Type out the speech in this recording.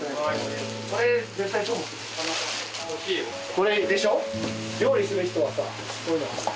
これでしょ。